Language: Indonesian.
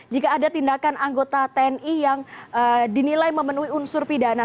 jika ada tindakan anggota tni yang dinilai memenuhi unsur pidana